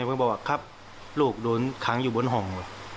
เพิ่งบอกว่าครับลูกโดนขังอยู่บนห่อง